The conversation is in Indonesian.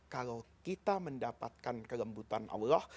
kalau kita mendapatkan kelembutan allah